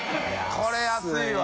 これ安いわ。